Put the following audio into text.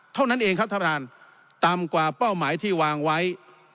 เท่านั้นเองครับท่านประธานต่ำกว่าเป้าหมายที่วางไว้